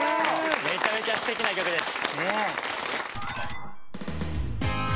めちゃめちゃ素敵な曲です。